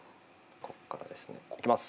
こっからですねいきます！